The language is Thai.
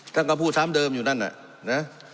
ท่านก็พูดซ้ำเดิมอยู่นั่นน่ะนะ